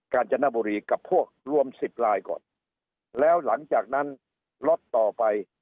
การจนบุรีกับพวกรวมสิบลายก่อนแล้วหลังจากนั้นล็อตต่อไป